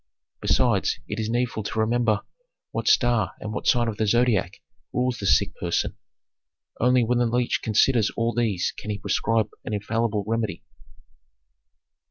Besides, it is needful to remember what star and what sign of the Zodiac rules the sick person. Only when the leech considers all these can he prescribe an infallible remedy."